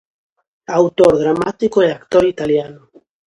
Autor dramático e actor italiano.